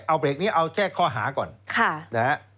เอาเบรกนี้เอาแค่ข้อหาก่อนนะฮะ